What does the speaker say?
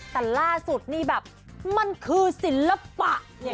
แต่ล่าสุดนี่แบบมันคือศิลปะเนี่ย